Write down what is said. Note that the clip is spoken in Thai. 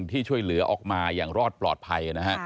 ที่ช่วยเหลือออกมาอย่างรอดปลอดภัยนะฮะ